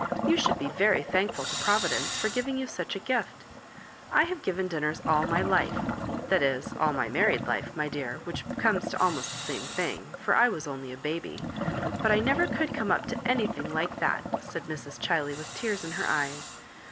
You should be very thankful to Providence for giving you such a gift I have given dinners all my fife— that is, all my married life, my dear, which comes to almost the same thing, for I was only a baby — but I never could come up to 'anything like that," said Mrs. Chiley, with tears in her eyes.